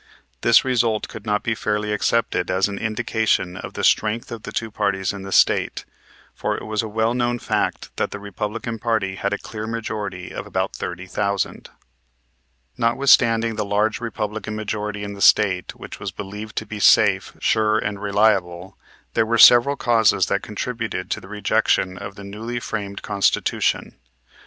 This result could not be fairly accepted as an indication of the strength of the two parties in the State, for it was a well known fact that the Republican party had a clear majority of about 30,000. Notwithstanding the large Republican majority in the State, which was believed to be safe, sure and reliable, there were several causes that contributed to the rejection of the newly framed Constitution.